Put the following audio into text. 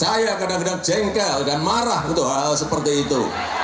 saya kadang kadang jengkel dan marah untuk hal seperti itu